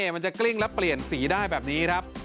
มันจะกลิ้งและเปลี่ยนสีได้แบบนี้ครับ